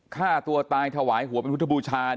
ฆ่าตัวตายถวายหัวเป็นพุทธบูชา